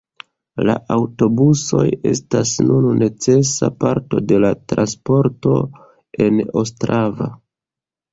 La aŭtobusoj estas nun necesa parto de la transporto en Ostrava.